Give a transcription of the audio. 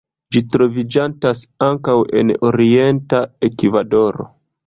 Ĝi troviĝantas ankaŭ en orienta Ekvadoro.